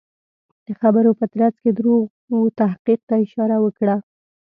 د خبرو په ترڅ کې دروغ تحقیق ته اشاره وکړه.